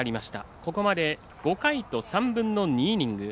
これまで５回と３分の２イニング。